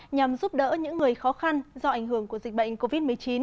nhằm giúp đỡ những người khó khăn do ảnh hưởng của dịch bệnh covid một mươi chín